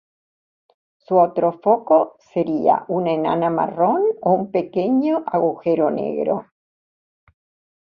Su otro foco sería una enana marrón o un pequeño agujero negro.